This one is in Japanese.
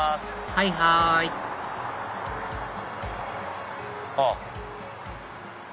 はいはいあっ。